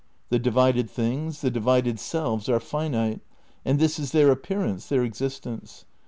The di vided things, the divided selves, are finite, and this is their appearance, their existence.